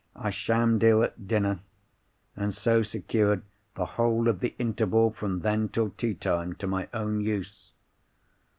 I shammed ill at dinner; and so secured the whole of the interval from then till tea time to my own use.